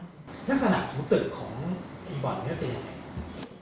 บ่อนอย่างไร